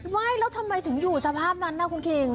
ว่ายแล้วทำไมถึงอยู่สภาพนั้นนะคุณคิง